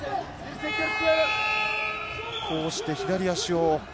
こうして左足を。